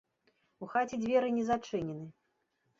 У хаце дзверы не зачынены.